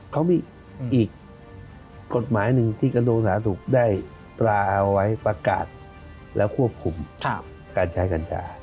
เขามีอีกกฎหมายหนึ่งที่กระทรวงสาธารณสุขได้ตราเอาไว้ประกาศแล้วควบคุมการใช้กัญชา